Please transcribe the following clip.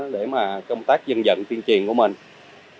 để mà công tác dân dận chuyên truyền của mình nó càng ngày càng thực thật